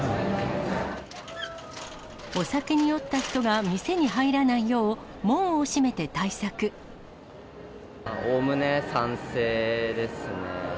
お酒に酔った人が店に入らなおおむね賛成ですね。